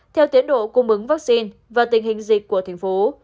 theo tiến độ cung ứng vaccine và tình hình dịch của thành phố